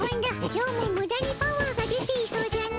今日もむだにパワーが出ていそうじゃの。